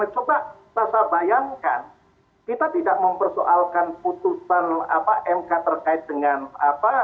kita coba tersabayangkan kita tidak mempersoalkan putusan mk terkait dengan apa